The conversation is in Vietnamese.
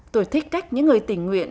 tôi thích cách những người tình nguyện